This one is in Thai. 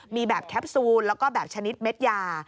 มีแบบแคปซูลแล้วก็แบบชนิดเม็ดยา